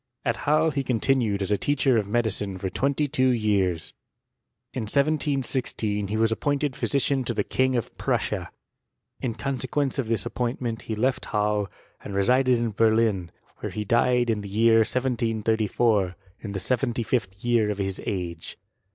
At Halle he continued as a teacher of medicine for twenty two years. In 1716 he was appointed phy aician to the King of Prussia. In consequence of this appointment he left Halle, and resided in Berlin, where he died in the year 1734, in the seventy fifth year of his age.